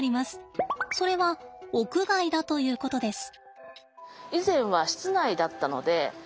それは屋外だということです。